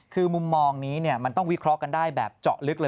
คือมุมมองนี้มันต้องวิเคราะห์กันได้แบบเจาะลึกเลย